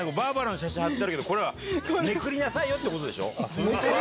これはめくりなさいよってことでしょ。